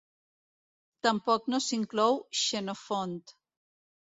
Tampoc no s'hi inclou Xenofont.